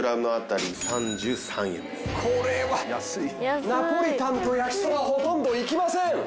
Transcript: これはナポリタンと焼きそばほとんどいきません。